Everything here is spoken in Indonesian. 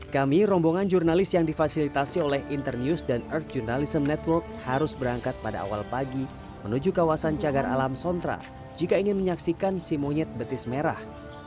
kami rombongan jurnalis yang difasilitasi oleh internews dan earth journalism network harus berangkat pada awal pagi menuju kawasan cagar alam sontra jika ingin menyaksikan si monyet betis merah